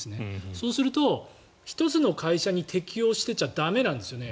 そうすると１つの会社に適用してちゃ駄目なんですよね。